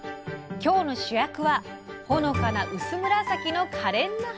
今日の主役はほのかな薄紫のかれんな花。